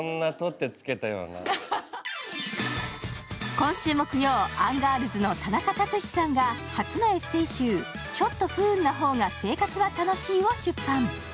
今週木曜、アンガールズの田中卓志さんが初のエッセイ集「ちょっと不運なほうが生活は楽しい」を出版。